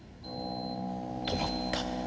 止まった。